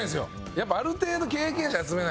やっぱある程度経験者集めないと。